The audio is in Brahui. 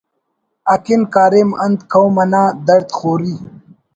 اکن کاریم انت قوم انا دڑد خوری